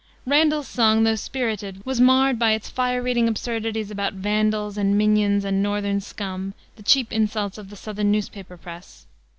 Randall's song, though spirited, was marred by its fire eating absurdities about "vandals" and "minions" and "northern scum," the cheap insults of the southern newspaper press.